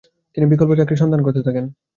তিনি বিকল্প চাকরির সন্ধান করতে থাকেন ।